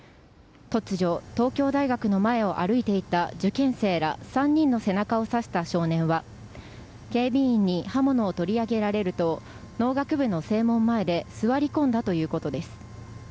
突如、東京大学の前を歩いていた受験生ら３人の背中を刺した少年は警備員に刃物を取り上げられると農学部の正門前で座り込んだということです。